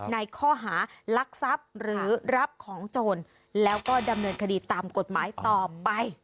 ในข้อหารักทรัพย์หรือรับของโจรแล้วก็ดำเนินคดีตามกฎหมายต่อไป